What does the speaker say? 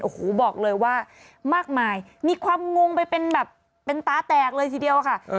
โอ้โหบอกเลยว่ามากมายมีความงงไปเป็นแบบเป็นตาแตกเลยทีเดียวค่ะ